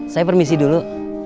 saya permisi dulu